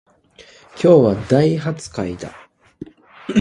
今日は大発会だ